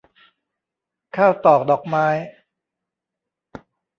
ข้าวตอกดอกไม้